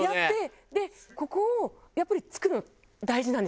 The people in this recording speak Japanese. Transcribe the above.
ここをやっぱり作るの大事なんですよ。